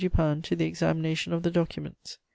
Dupin to the examination of the documents.